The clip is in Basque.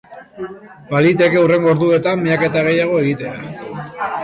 Baliteke hurrengo orduetan miaketa gehiago egitea.